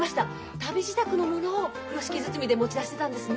旅支度のものを風呂敷包みで持ち出してたんですね。